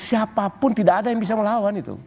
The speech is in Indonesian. siapapun tidak ada yang bisa melawan itu